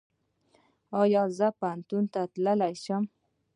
ایا زه پوهنتون ته لاړ شم؟